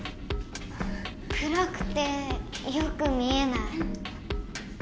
くらくてよく見えない。